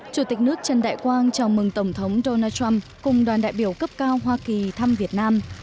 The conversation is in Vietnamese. chủ tịch nước trần đại quang chào mừng tổng thống donald trump cùng đoàn đại biểu cấp cao hoa kỳ thăm việt nam